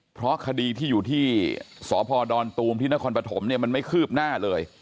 เพราะคดีที่อยู่ที่สพดอนตูมที่นครปฐมเนี่ยมันไม่คืบหน้าเลย